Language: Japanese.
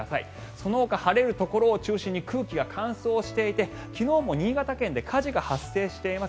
そのほか晴れるところを中心に空気が乾燥していて昨日も新潟県で火事が発生しています。